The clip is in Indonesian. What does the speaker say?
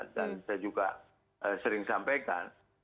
dan saya juga sering sampaikan